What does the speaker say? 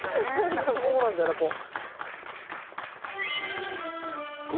何かこうなんだよなこう。